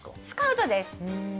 スカウトです。